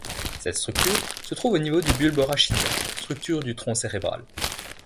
Cette structure se trouve au niveau du bulbe rachidien, structure du tronc cérébral.